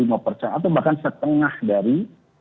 atau bahkan setengah dari